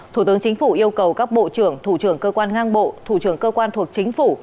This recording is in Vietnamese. thủ tướng chính phủ yêu cầu các bộ trưởng thủ trưởng cơ quan ngang bộ thủ trưởng cơ quan thuộc chính phủ